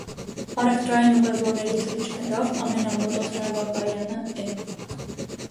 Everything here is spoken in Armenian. Առևտրային ուղևորների թռիչքներով ամենամոտ օդանավակայանը է։